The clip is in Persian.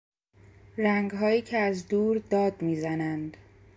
رنگهایی که از دور داد میزنند